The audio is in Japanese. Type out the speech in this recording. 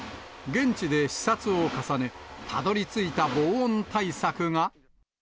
現地で視察を重ね、たどりついた防音対策が。